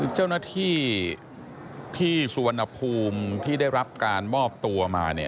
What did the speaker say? เจ้าหน้าที่ที่สุวรรณภูมิที่ได้รับการมอบตัวมา